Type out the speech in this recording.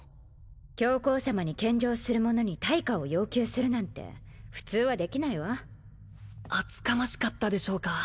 教皇様に献上するものに対価を要求するなんて普通はできないわあつかましかったでしょうか？